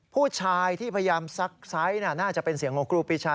ผู้ชายที่พยายามซักไซส์น่าจะเป็นเสียงของครูปีชา